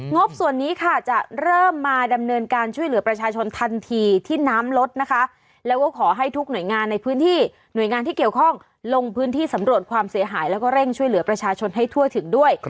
บส่วนนี้ค่ะจะเริ่มมาดำเนินการช่วยเหลือประชาชนทันทีที่น้ำลดนะคะแล้วก็ขอให้ทุกหน่วยงานในพื้นที่หน่วยงานที่เกี่ยวข้องลงพื้นที่สำรวจความเสียหายแล้วก็เร่งช่วยเหลือประชาชนให้ทั่วถึงด้วย